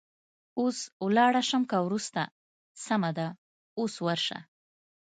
اوس ولاړه شم که وروسته؟ سمه ده، اوس ورشه.